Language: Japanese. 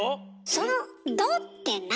その「ド」って何？